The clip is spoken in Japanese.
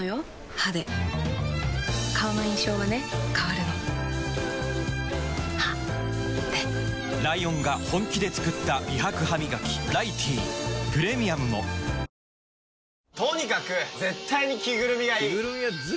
歯で顔の印象はね変わるの歯でライオンが本気で作った美白ハミガキ「ライティー」プレミアムも与作は木をきる与作？